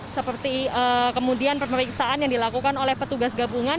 seperti kemudian pemeriksaan yang dilakukan oleh petugas gabungan